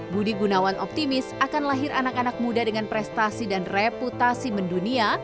budi gunawan optimis akan lahir anak anak muda dengan prestasi dan reputasi mendunia